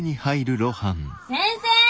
先生！